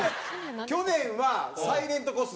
去年は、サイレント小杉。